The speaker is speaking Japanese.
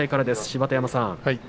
芝田山さん。